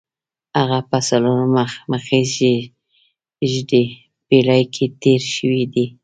هغه په څلورمه مخزېږدي پېړۍ کې تېر شوی دی.